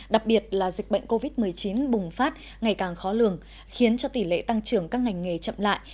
đặc biệt là dịch bệnh covid một mươi chín bùng phát ngày càng khó lường khiến cho tỷ lệ tăng trưởng các ngành nghề chậm lại